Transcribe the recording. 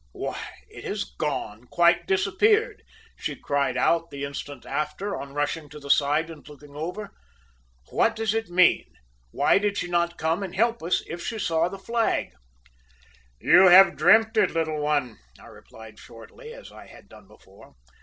"`Why, it has gone quite disappeared!' she cried out the instant after, on rushing to the side and looking over. `What does it mean? Why did she not come and help if she saw the flag?' "`You have dreamt it, little one,' I replied shortly, as I had done before.